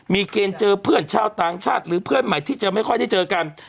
มีเกณฑ์เจอเพื่อนชาวต่างชาติหรือเพื่อนใหม่ที่จะไม่ค่อยได้เจอกัน